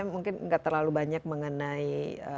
mungkin nggak terlalu banyak mengenai